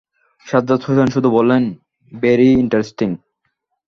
সাজ্জাদ হোসেন শুধু বললেন, very interesting!